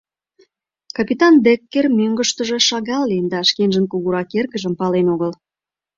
Капитан Деккер мӧҥгыштыжӧ шагал лийын да шкенжын кугурак эргыжым пален огыл.